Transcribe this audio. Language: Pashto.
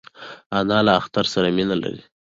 انا له اختر سره مینه لري